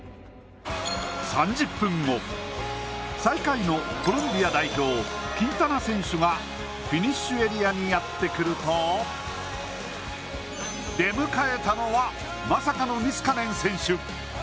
３０分後、最下位のコロンビア代表キンタナ選手がフィニッシュエリアにやってくると出迎えたのはまさかのニスカネン選手。